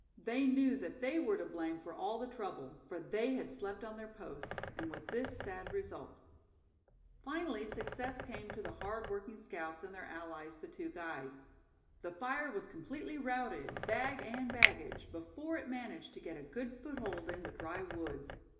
They knew that they were to blame for all the trouble; for they had slept on their post, and with this sad result. Finally success came to the hard working scouts, and their allies, the two guides. The fire was completely routed, bag and baggage, before it managed to get a good foothold in the dry woods.